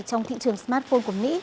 trong thị trường smartphone của mỹ